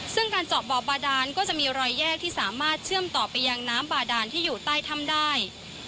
ซึ่งการเจาะบ่อบาดานก็จะมีรอยแยกที่สามารถเชื่อมต่อไปยังน้ำบาดานที่อยู่ใต้ถ้ำได้